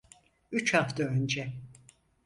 Üç hafta önce.